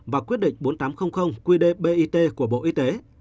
và quyết định bốn nghìn tám trăm linh qdbit của bộ y tế